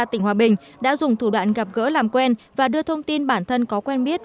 tỉnh hòa bình đã dùng thủ đoạn gặp gỡ làm quen và đưa thông tin bản thân có quen biết